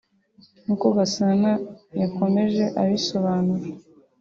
nk’uko Gasana yakomeje abisobanura